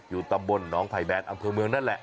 อยู่ตรงบนน้องไผ่แบนอำเภอเมืองนั่นแหละ